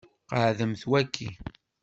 Qeɛdemt waki.